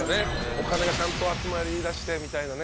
お金がちゃんと集まりだしてみたいなね